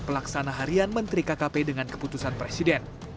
pelaksana harian menteri kkp dengan keputusan presiden